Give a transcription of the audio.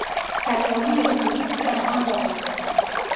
کچالو له پوټکي سره هم پخېږي